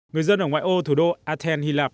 người dân ở ngoại ô thủ đô athen hy lạp